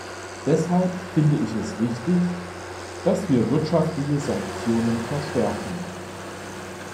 Deshalb finde ich es richtig, dass wir wirtschaftliche Sanktionen verstärken.